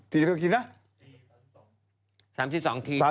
ทีมเท่ากันเป็นไงแน่